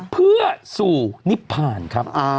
เพื่อสู่นิพพานครับ